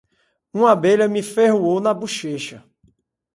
Um abelha me ferroou na bochecha.